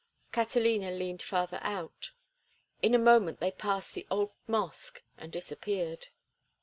Catalina leaned farther out. In a moment they passed the old mosque and disappeared.